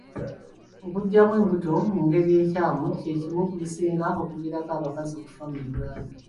Okuggyamu embuto mu ngeri enkyamu kye kimu ku bisinga okuviirako abakazi okufa mu Uganda.